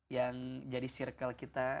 yang jadi circle kita